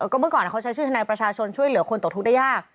ก็เมื่อก่อนเขาใช้ชื่อธนายประชาชนช่วยเหลือคนตกทุกข์ได้ยาก